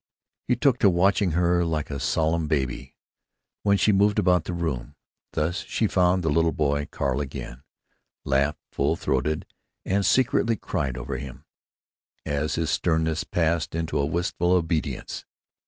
He took to watching her like a solemn baby, when she moved about the room; thus she found the little boy Carl again; laughed full throated and secretly cried over him, as his sternness passed into a wistful obedience.